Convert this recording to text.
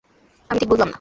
আমি ঠিক বুঝলাম না।